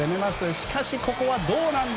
しかし、ここはどうなんだ。